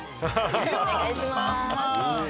お願いします！